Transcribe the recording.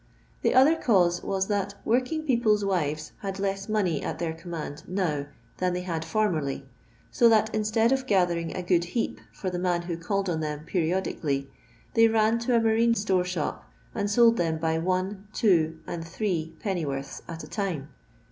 The other cause was that working people's wives had less money at their com mand now than they had formerly, so that instead of gathering a good heap for the man who called on them periodically, they ran to a marine store shop and sold them by one, two, and three penny worths at a time.